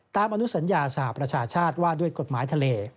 อนุสัญญาสหประชาชาติว่าด้วยกฎหมายทะเล